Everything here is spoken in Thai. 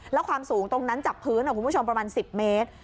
แล้วความสูงตรงนั้นจากพื้นคุณผู้ชมประมาณ๑๐เมตร